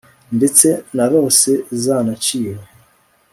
ndetse narose zanaciwe